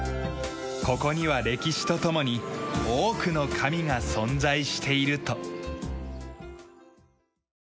ここには歴史と共に多くの神が存在していると。